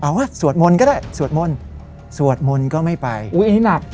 เอาอ่ะสวดมนต์ก็ได้สวดมนต์สวดมนต์ก็ไม่ไปอุ้ยอันนี้หนัก